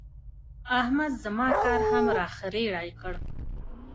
احمد زما کار هم را خرېړی کړ.